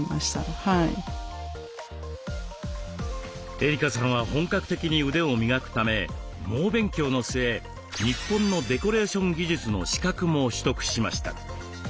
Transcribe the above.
エリカさんは本格的に腕を磨くため猛勉強の末日本のデコレーション技術の資格も取得しました。